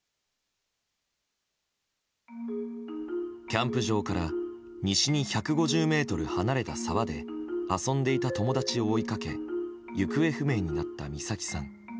キャンプ場から西に１５０ｍ離れた沢で遊んでいた友達を追いかけ行方不明になった美咲さん。